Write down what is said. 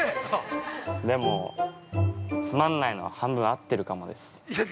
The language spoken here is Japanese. でも、つまんないのは半分合ってるかもです。